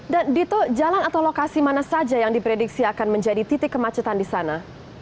dan dito jalan atau lokasi mana saja yang diprediksi akan menjadi titik kemacetan di sana